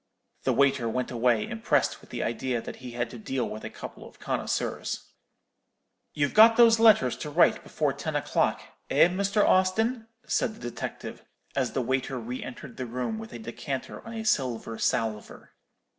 "The waiter went away impressed with the idea that he had to deal with a couple of connoisseurs. "'You've got those letters to write before ten o'clock, eh, Mr. Austin?' said the detective, as the waiter re entered the room with a decanter on a silver salver.